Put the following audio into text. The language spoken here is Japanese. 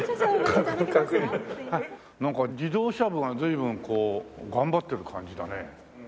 なんか自動車部が随分こう頑張ってる感じだね。